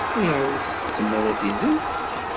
Ayɣeṛ ur tsettttem ara tidelt?